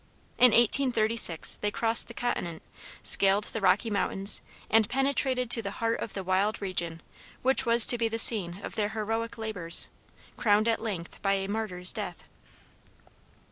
In 1836 they crossed the continent, scaled the Rocky Mountains, and penetrated to the heart of the wild region which was to be the scene of their heroic labors, crowned at length by a martyr's death.